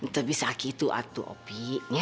tapi saat itu atuh opi